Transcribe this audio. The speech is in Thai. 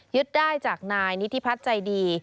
ได้จากนายนิธิพัฒน์ใจดี